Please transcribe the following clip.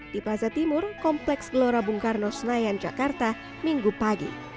di plaza timur kompleks gelora bung karno senayan jakarta minggu pagi